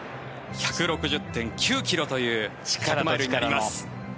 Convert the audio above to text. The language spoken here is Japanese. １６０．９ｋｍという力になります。